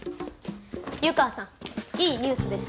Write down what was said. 湯川さんいいニュースです。